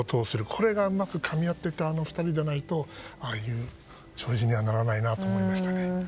これがうまくかみ合っていた２人じゃないとああいう弔辞にはならないなと思いましたね。